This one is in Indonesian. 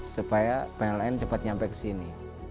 supaya pln cepat nyampe ke sini